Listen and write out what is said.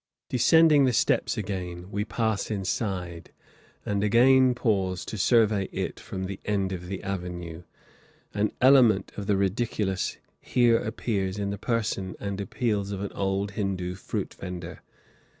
Descending the steps again, we pass inside, and again pause to survey it from the end of the avenue. An element of the ridiculous here appears in the person and the appeals of an old Hindoo fruit vender.